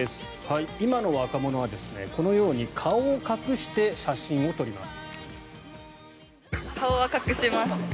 今の若者はこのように顔を隠して写真を撮ります。